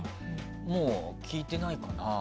もう聞いていないかな。